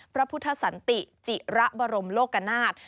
พระพุทธสันติจิระบรมโลกนาฏ